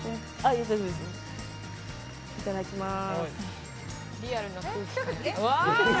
いただきます。